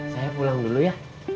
saya pulang dulu ya